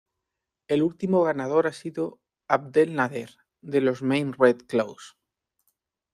El último ganador ha sido Abdel Nader, de los Maine Red Claws.